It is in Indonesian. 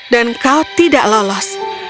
dan kau tidak lolos